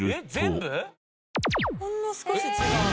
ほんの少し違う。